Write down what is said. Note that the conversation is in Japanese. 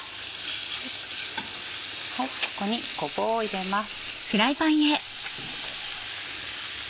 ここにごぼうを入れます。